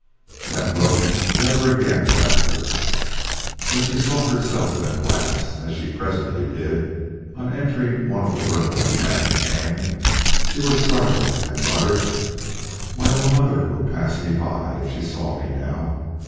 That look never again left her. When she saw herself in a glass, as she presently did, on entering one of the rooms lamp in hand, she was startled and muttered: "My own mother would pass me by if she saw me now.